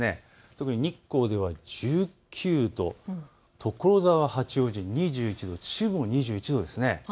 特に日光では１９度、所沢、八王子、２１度、秩父も２１度ですね。